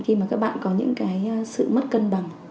khi mà các bạn có những cái sự mất cân bằng